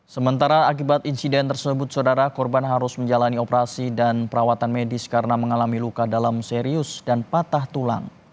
sementara akibat insiden tersebut saudara korban harus menjalani operasi dan perawatan medis karena mengalami luka dalam serius dan patah tulang